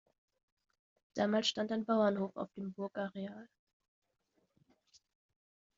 Damals stand ein Bauernhof auf dem Burgareal.